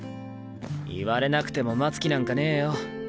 言われなくても待つ気なんかねぇよ。